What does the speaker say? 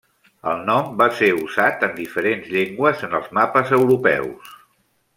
El nom va ser usat en diferents llengües en els mapes europeus.